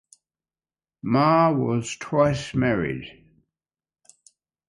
Ma was twice married.